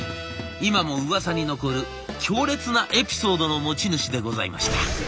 今もうわさに残る強烈なエピソードの持ち主でございました。